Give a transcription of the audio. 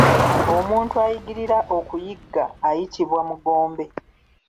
Omuntu ayigirira okuyigga ayitibwa mugombe